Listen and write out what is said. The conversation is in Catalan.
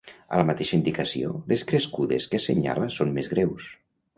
A la mateixa indicació, les crescudes que assenyala són més greus.